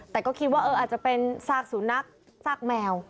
แต่ก็คิดว่าอาจจะเป็นซากสุนัขซากแมว